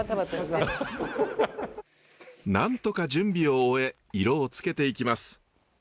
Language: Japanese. なんとか準備を終え色をつけていきます。